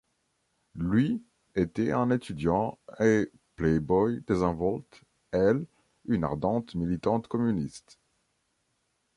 Lui était un étudiant et play-boy désinvolte, elle, une ardente militante communiste.